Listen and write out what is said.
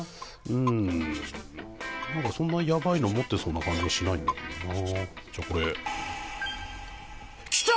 うーん何かそんなヤバいの持ってそうな感じはしないんだけどなーじゃあこれきた！